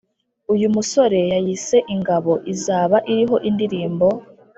. uyu musore yayise Ingabo izaba iriho indirimbo